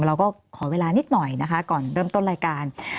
เราก็ขอเวลานิดหน่อยนะคะก่อนเริ่มต้นรายการ